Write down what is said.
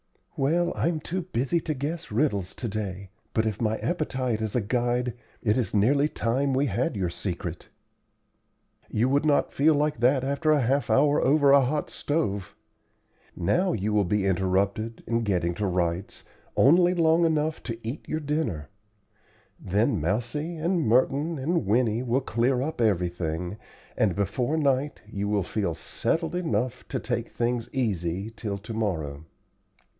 "Well, I'm too busy to guess riddles to day; but if my appetite is a guide, it is nearly time we had your secret." "You would not feel like that after half an hour over a hot stove. Now you will be interrupted, in getting to rights, only long enough to eat your dinner. Then Mousie and Merton and Winnie will clear up everything, and be fore night you will feel settled enough to take things easy till to morrow."